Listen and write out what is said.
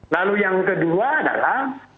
lalu yang kedua adalah